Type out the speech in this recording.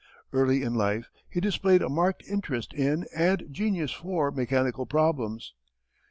Early in life he displayed a marked interest in and genius for mechanical problems.